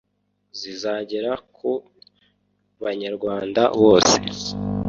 zizagera ku banyarwanda bose.